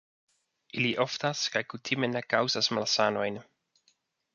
Ili oftas kaj kutime ne kaŭzas malsanojn.